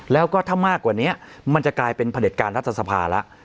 แล้วก็ถ้ามากกว่านี้มันจะกลายเป็นผลิตการรัฐสภาแล้ว